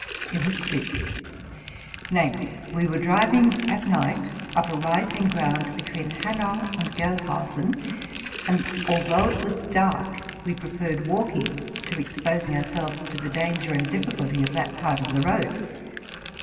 It was this ; namely, we were driving at night up a rising ground between Hanau and Gelhausen, and, although it was dark, we preferred walking to exposing ourselves to the danger and difficulty of that part of the road.